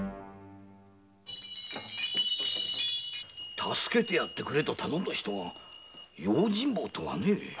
助けてやってくれと頼んだ人が用心棒とはね。